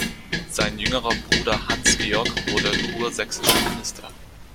Sein jüngerer Bruder Hans Georg wurde kursächsischer Minister.